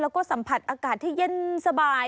แล้วก็สัมผัสอากาศที่เย็นสบาย